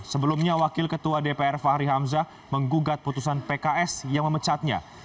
sebelumnya wakil ketua dpr fahri hamzah menggugat putusan pks yang memecatnya